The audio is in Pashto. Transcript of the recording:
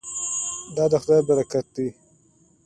دا د خدای برکت دی.